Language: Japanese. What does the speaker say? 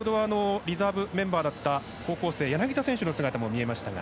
先ほどはリザーブメンバーだった高校生、柳田選手の姿も見えましたが。